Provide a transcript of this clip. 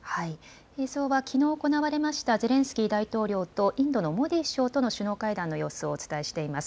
映像はきのう行われましたゼレンスキー大統領とインドのモディ首相との首脳会談の様子をお伝えしています。